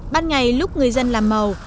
ban ngày lúc người dân làm màu